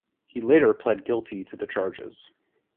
He later plead guilty to the charges.